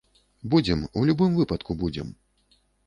Будзем, у любым выпадку будзем.